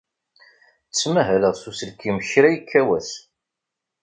Ttmahaleɣ s uselkim kra yekka wass.